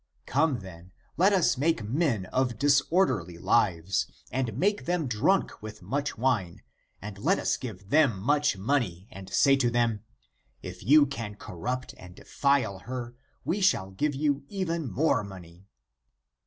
Come, then, let us take men of disorderly lives, and make them drunk with much wine, and let us give them much money, and say to them, If you can corrupt and defile her, we shall give you even more money.